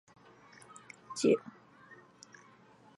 炎魔斑是冥王星暗黑色指节套环系列中最大的一节。